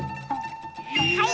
はい！